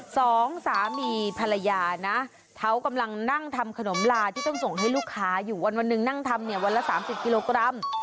สองสามีภรรยานะเขากำลังนั่งทำขนมลาที่ต้องส่งให้ลูกค้าอยู่วันหนึ่งนั่งทำเนี่ยวันละสามสิบกิโลกรัม